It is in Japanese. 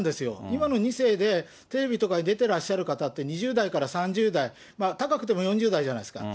今の２世でテレビとかに出てらっしゃる方って、２０代から３０代、高くても４０代じゃないですか。